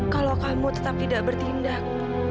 kalau kamu tetap tidak bertindak